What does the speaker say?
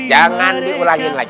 jangan diulangi lagi